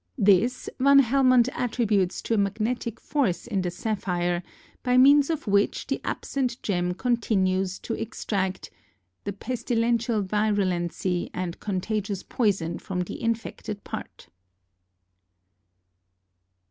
This Van Helmont attributes to a magnetic force in the sapphire by means of which the absent gem continued to extract "the pestilential virulency and contagious poyson from the infected part."